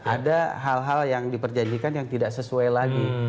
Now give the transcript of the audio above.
ada hal hal yang diperjanjikan yang tidak sesuai lagi